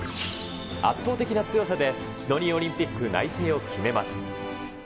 圧倒的な強さでシドニーオリンピック内定を決めます。